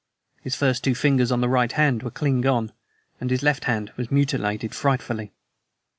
His first two fingers on the right hand were clean gone, and his left hand was mutilated frightfully."